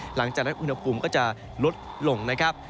หลังจากนั้นอุณหภูมิก็จะลดลงนะครับ